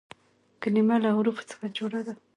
کلیمه له حروفو څخه جوړه ده.